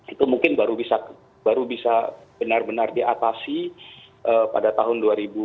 itu mungkin baru bisa benar benar diatasi pada tahun dua ribu dua puluh empat dua ribu dua puluh lima